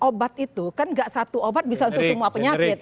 obat itu kan gak satu obat bisa untuk semua penyakit